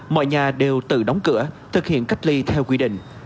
mọi nhà đều tự đóng cửa thực hiện cách ly theo quy định